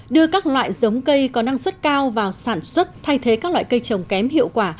đưa các loại giống cây có năng suất cao vào sản xuất thay thế các loại cây trồng kém hiệu quả